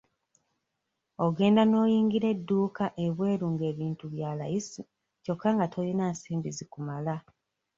Ogenda n'oyingira edduuka ebweru nga ebintu bya layisi kyokka nga tolina nsimbi zikumala.